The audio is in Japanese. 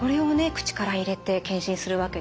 口から入れて検診するわけですよね。